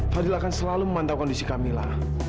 fadil akan selalu memantau kondisi camillah